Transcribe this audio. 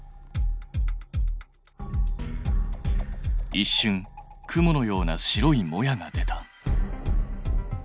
いっしゅん雲のような白いモヤが出た。